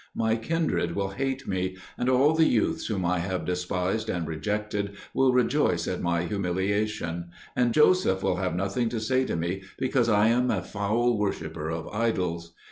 My kindred will hate me, and all the youths whom I have despised and rejected will rejoice at my humiliation; and Joseph will have nothing to say to me because I am a foul worshipper of idols.